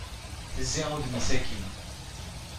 Tezzi udem-nnes akkin.